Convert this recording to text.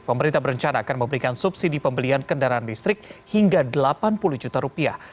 pemerintah berencana akan memberikan subsidi pembelian kendaraan listrik hingga delapan puluh juta rupiah